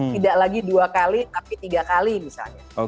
tidak lagi dua kali tapi tiga kali misalnya